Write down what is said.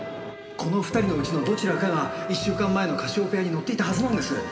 この２人のうちのどちらかが１週間前のカシオペアに乗っていたはずなんです！